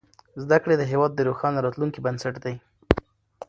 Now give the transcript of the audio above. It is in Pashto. زدهکړې د هېواد د روښانه راتلونکي بنسټ دی.